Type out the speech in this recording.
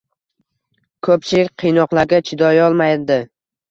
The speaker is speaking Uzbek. Ko`pchilik qiynoqlarga chidayolmadi